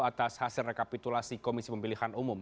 atas hasil rekapitulasi komisi pemilihan umum